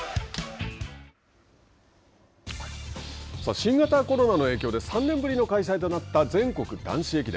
新型コロナの影響で３年ぶりの開催となった全国男子駅伝。